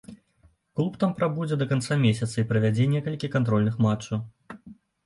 Клуб там прабудзе да канца месяца і правядзе некалькі кантрольных матчаў.